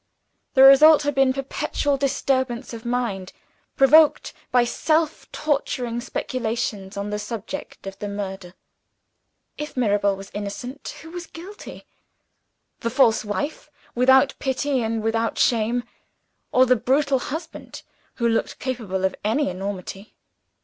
The result had been perpetual disturbance of mind provoked by self torturing speculations on the subject of the murder. If Mirabel was innocent, who was guilty? The false wife, without pity and without shame or the brutal husband, who looked capable of any enormity?